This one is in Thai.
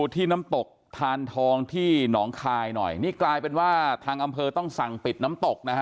ที่น้ำตกทานทองที่หนองคายหน่อยนี่กลายเป็นว่าทางอำเภอต้องสั่งปิดน้ำตกนะฮะ